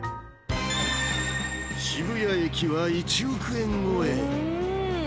渋谷駅は１億円超え